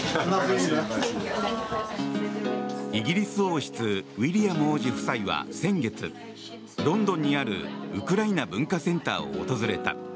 イギリス王室ウィリアム王子夫妻は先月ロンドンにあるウクライナ文化センターを訪れた。